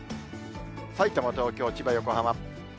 さいたま、東京、千葉、横浜。